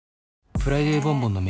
「フライデーボンボン」のメ―